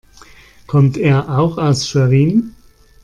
Kommt er auch aus Schwerin?